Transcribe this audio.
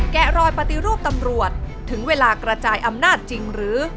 แกะรอยปฏิรูปตำรวจถึงเวลากระจายอำนาจจริงหรือ